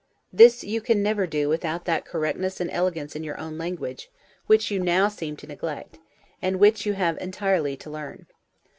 This you can never do without that correctness and elegance in your own language, which you now seem to neglect, and which you have entirely to learn.